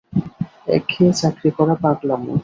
একঘেয়ে চাকরি করা পাগলামো।